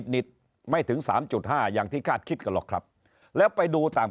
นิดไม่ถึง๓๕อย่างที่คาดคิดกันหรอกครับแล้วไปดูต่าง